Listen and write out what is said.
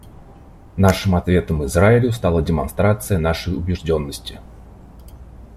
Нашим ответом Израилю стала демонстрация нашей убежденности.